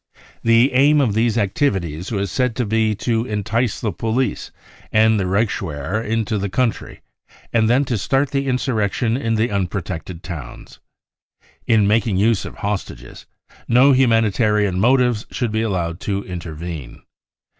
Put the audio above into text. The aim of these activi ties was said to be to entice the police and the Reichswehr Into the country and then to start the insurrection in the unprotected towns. In making use of hostages, no humani tarian motives should be allowed to intervene.